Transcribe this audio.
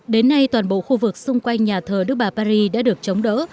đến nay toàn bộ khu vực xung quanh nhà thờ đức bà paris đã được chống đỡ